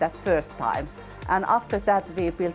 dan setelah itu kami membangunnya setiap tahun